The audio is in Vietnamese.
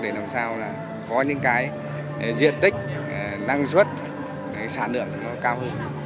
để làm sao là có những cái diện tích năng suất cái sản lượng nó cao hơn